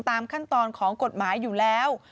ตามขั้นตอนของกฎหมายอยู่แล้ว